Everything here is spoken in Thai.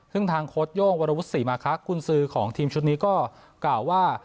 ซึ่งทางโค้ดโย่งวรวุฒิศรีมาคะคุณซื้อของทีมชุดนี้ก็กล่าวว่า